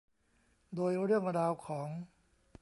โดยเรื่องราวของ